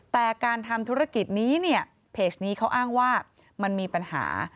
แต่การทำธุรกิจนี้เนี่ยเพจนี้เขาอ้างว่ามันมีปัญหา